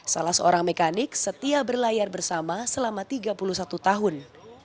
salah seorang mekanik setia berlayar bersama selama tiga puluh satu tahun